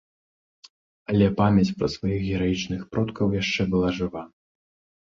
Але памяць пра сваіх гераічных продкаў яшчэ была жыва.